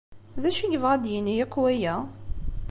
D acu i yebɣa ad d-yini akk waya?